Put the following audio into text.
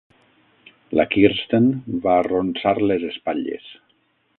La Kirsten va arronsar les espatlles.